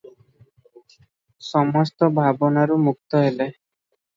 ସମସ୍ତ ଭାବନାରୁ ମୁକ୍ତ ହେଲେ ।